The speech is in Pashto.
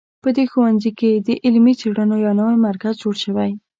په دې ښوونځي کې د علمي څېړنو یو نوی مرکز جوړ شوی